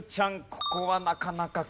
ここはなかなか苦しい。